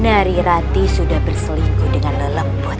narirati sudah berselingkuh dengan lelemput